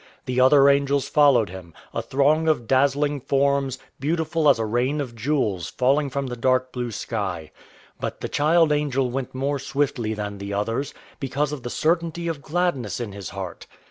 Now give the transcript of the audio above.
The other angels followed him a throng of dazzling forms, beautiful as a rain of jewels falling from the dark blue sky. But the child angel went more swiftly than the others, because of the certainty of gladness in his heart.